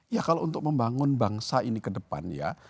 ya kalau untuk membangun bangsa ini ke depan ya